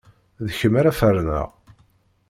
D kemm ara ferneɣ!